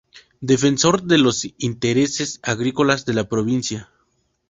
Defensor de los Intereses Agrícolas de la Provincia".